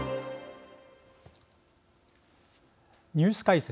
ニュース解説